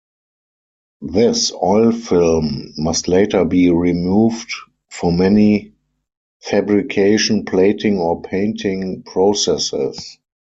This oil film must later be removed for many fabrication, plating or painting processes.